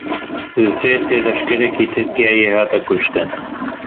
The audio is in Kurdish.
Li Sêrtê leşkerekî Tirkiyeyê hat kuştin.